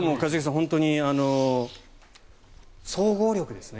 本当に総合力ですね。